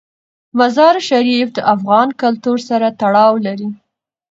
مزارشریف د افغان کلتور سره تړاو لري.